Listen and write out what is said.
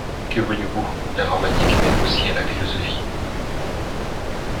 Que voulez-vous, l’informatique mène aussi à la philosophie!